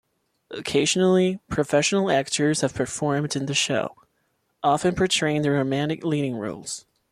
Occasionally, professional actors have performed in the show, often portraying the romantic leading roles.